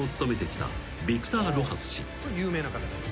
有名な方。